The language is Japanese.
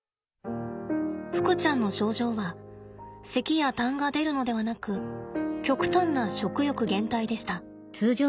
ふくちゃんの症状はせきやたんが出るのではなく極端な食欲減退でした。